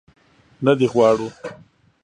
نه دې غواړو.